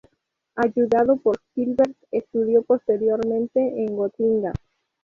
Ayudado por Hilbert, estudió posteriormente en Gotinga.